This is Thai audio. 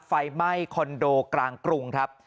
ไฟไหม้คอนโดกลางกรุงครับ